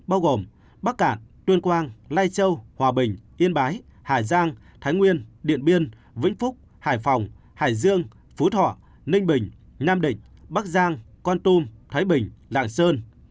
bao gồm bắc cạn tuyên quang lai châu hòa bình yên bái hà giang thái nguyên điện biên vĩnh phúc hải phòng hải dương phú thọ ninh bình nam định bắc giang con tum thái bình lạng sơn